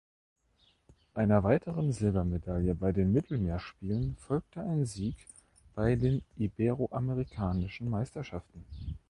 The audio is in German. Einer weiteren Silbermedaille bei den Mittelmeerspielen folgte ein Sieg bei den Iberoamerikanischen Meisterschaften.